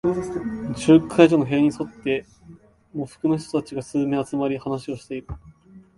集会所の塀に沿って、喪服の人たちが数名集まり、話をしている。